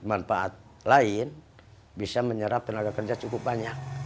manfaat lain bisa menyerap tenaga kerja cukup banyak